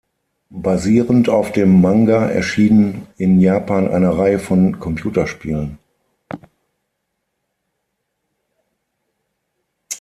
Basierend auf dem Manga erschienen in Japan eine Reihe von Computerspielen.